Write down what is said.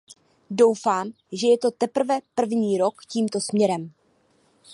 Doufám, že je to teprve první krok tímto směrem.